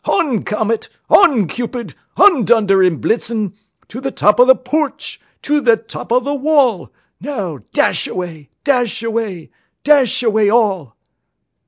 On! Comet, on! Cupid, on! Dunder and Blitzen To the top of the porch, to the top of the wall! Now, dash away, dash away, dash away all!"